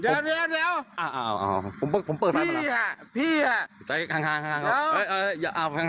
เฮ้ยพวกแก๊บเนี่ย